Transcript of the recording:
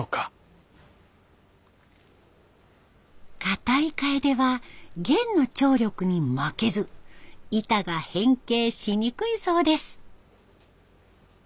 かたいカエデは弦の張力に負けず板が変形しにくいそうです。